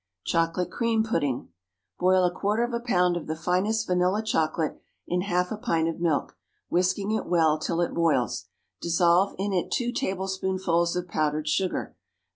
Chocolate Cream Pudding. Boil a quarter of a pound of the finest vanilla chocolate in half a pint of milk, whisking it well till it boils; dissolve in it two tablespoonfuls of powdered sugar.